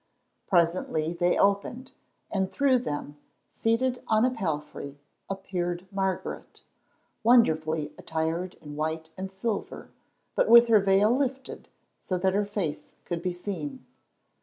Presently they opened, and through them, seated on a palfrey, appeared Margaret, wonderfully attired in white and silver, but with her veil lifted so that her face could be seen.